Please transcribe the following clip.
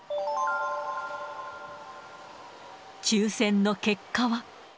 抽せんの結果は。